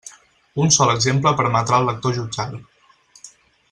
Un sol exemple permetrà al lector jutjar-ho.